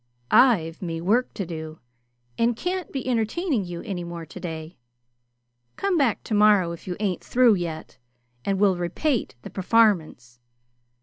I've me work to do, and can't be entertaining you any more today. Come back tomorrow, if you ain't through yet, and we'll repate the perfarmance.